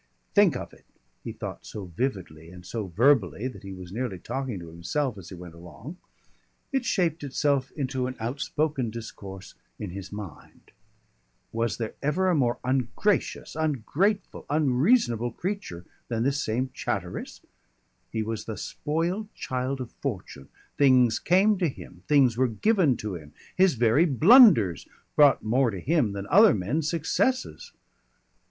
"Think of it!" He thought so vividly and so verbally that he was nearly talking to himself as he went along. It shaped itself into an outspoken discourse in his mind. "Was there ever a more ungracious, ungrateful, unreasonable creature than this same Chatteris? He was the spoiled child of Fortune; things came to him, things were given to him, his very blunders brought more to him than other men's successes.